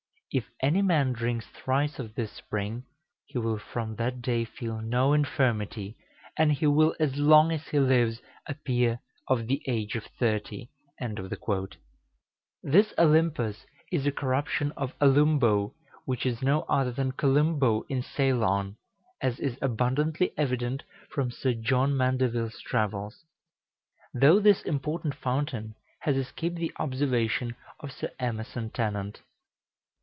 If any man drinks thrice of this spring, he will from that day feel no infirmity, and he will, as long as he lives, appear of the age of thirty." This Olympus is a corruption of Alumbo, which is no other than Columbo in Ceylon, as is abundantly evident from Sir John Mandeville's Travels; though this important fountain has escaped the observation of Sir Emmerson Tennant.